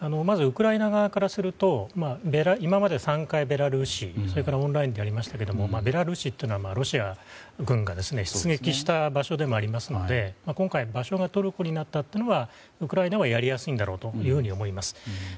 まずウクライナ側からすると今まで、３回ベラルーシそれからオンラインでやりましたけどベラルーシはロシア軍が出撃した場所でもありますので今回の場所がトルコになったというのはウクライナはやりやすいだろうと思います。